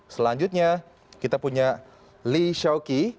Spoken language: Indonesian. selanjutnya kita punya li shaoqi